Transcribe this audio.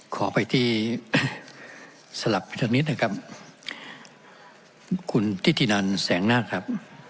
ขอไปที่สลับประชามิตรนะครับคุณทิธินันแสงนาคครับ